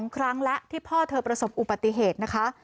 ๒ครั้งแล้วที่พ่อเธอประสบอุบัติเหตุนะคะ